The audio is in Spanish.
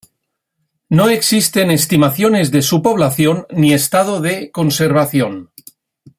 No existen estimaciones de su población ni estado de conservación.